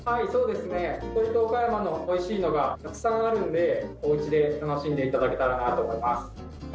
鳥取と岡山のおいしいのがたくさんあるのでおうちで楽しんで頂けたらなと思います。